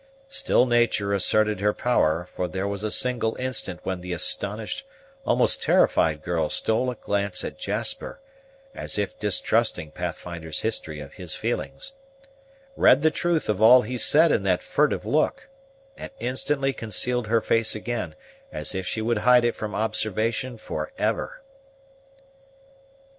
Still nature asserted her power, for there was a single instant when the astonished, almost terrified girl stole a glance at Jasper, as if distrusting Pathfinder's history of his feelings, read the truth of all he said in that furtive look, and instantly concealed her face again, as if she would hide it from observation for ever.